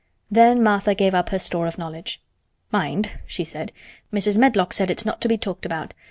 Then Martha gave up her store of knowledge. "Mind," she said, "Mrs. Medlock said it's not to be talked about.